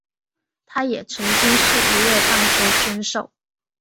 他也曾经是一位棒球选手。